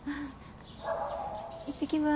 行ってきます。